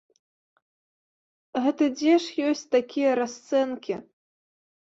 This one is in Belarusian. Гэта дзе ж ёсць такія расцэнкі?